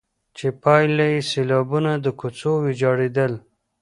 چي پايله يې سيلابونه، د کوڅو ويجاړېدل،